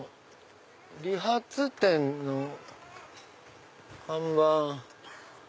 理髪店の看板。